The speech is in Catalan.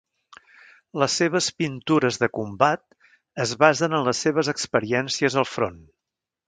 Les seves pintures de combat es basen en les seves experiències al front.